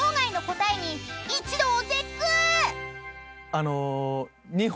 あの。